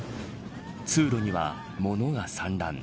通路には、物が散乱。